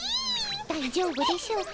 だいじょうぶでしょうか？